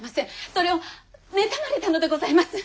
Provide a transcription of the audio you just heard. それを妬まれたのでございます！